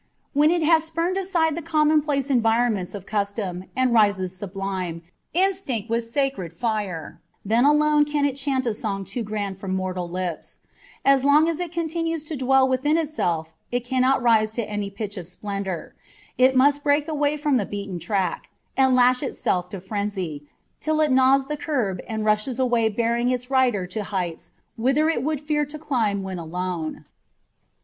When it has spurned aside the commonplace environments of custom, and rises sublime, instinct with sacred fire, then alone can it chant a song too grand for mortal lips : as long as it continues to dwell within itself it cannot rise to any pitch of splendour: it must break away from the beaten track, and lash itself to frenzy, till it gnaws the curb and rushes away bearing up its rider to heights whither it would fear to climb when alone.